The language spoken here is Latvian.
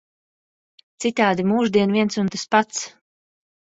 Citādi mūždien viens un tas pats.